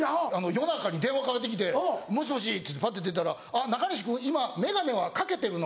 夜中に電話かかってきて「もしもし」ってパッて出たら「あっ中西君今眼鏡はかけてるの？